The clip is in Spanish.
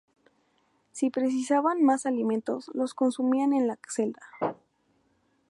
Si precisaban más alimentos, los consumían en la celda.